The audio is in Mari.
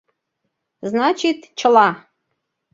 — Значит, чыла!